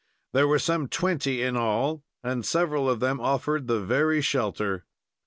There were some twenty in all, and several of them offered the very shelter.